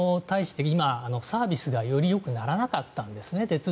サービスがよりよくならなかったんですね。